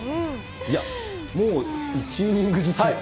いや、もう、１イニングずつ。